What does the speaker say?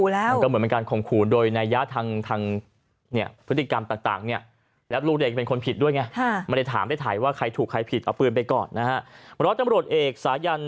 แล้ววันนั้นในคืนนั้นผมก็ไม่ได้ขู่ใครอีกต่างหาก